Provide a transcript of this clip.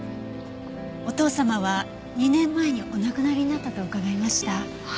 お父様は２年前にお亡くなりになったと伺いました。